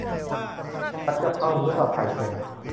ผัดกะเพราหมูสับไข่เค็ม